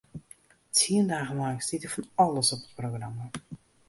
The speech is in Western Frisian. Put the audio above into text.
Tsien dagen lang stiet der fan alles op it programma.